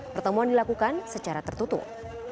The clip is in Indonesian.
pertemuan dilakukan secara tertutup